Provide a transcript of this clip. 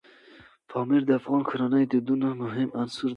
پامیر د افغان کورنیو د دودونو مهم عنصر دی.